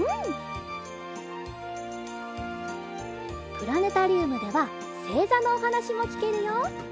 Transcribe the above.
プラネタリウムではせいざのおはなしもきけるよ。